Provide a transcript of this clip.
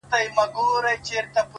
د زړه صفا دروند ارزښت لري,